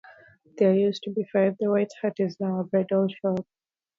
There used to be five: The White Hart is now a bridal shop.